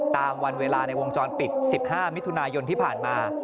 ตามวันเวลาในวงจรปิด๑๕มิถุนายนที่ผ่านมา